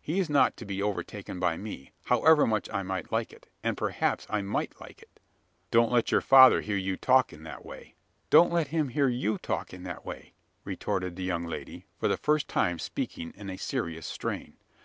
he's not to be overtaken by me, however much I might like it; and perhaps I might like it!" "Don't let your father hear you talk in that way." "Don't let him hear you talk in that way," retorted the young lady, for the first time speaking in a serious strain.